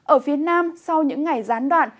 ở phía nam sau những ngày gián đoạn